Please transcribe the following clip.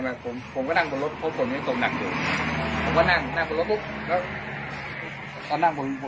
รวมแปดสิบเปอร์เซ็นต์ผมได้แบบ